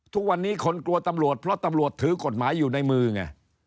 ทุกวันนี้คนกลัวตำรวจเพราะตำรวจถือกฎหมายอยู่ในมือไง